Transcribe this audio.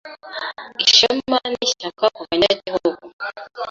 Ishema n’Ishyaka kubanya gihugu